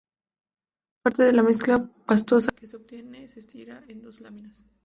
Parte de la mezcla pastosa que se obtiene se estira en dos láminas.